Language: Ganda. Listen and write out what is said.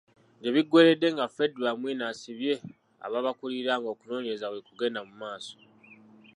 Gye biggweeredde nga Fred Bamwine asibye ababakulira ng'okunoonyereza bwe kugenda mu maaso.